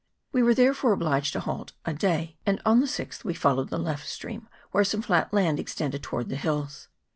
We were, therefore, obliged to halt a day, and on the 6th we followed the left stream, where some flat land extended towards the hills.